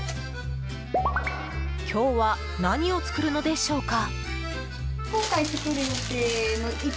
今日は何を作るのでしょうか？